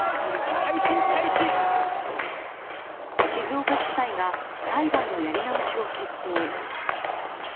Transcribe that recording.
静岡地裁が裁判のやり直しを決定。